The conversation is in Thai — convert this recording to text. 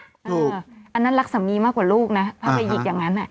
อ่าอันนั้นรักสามีมากกว่าลูกน่ะอ่าฮะถ้าไปหยิกอย่างงั้นอ่ะ